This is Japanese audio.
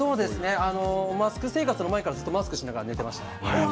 マスク生活の前からマスクして寝ていました。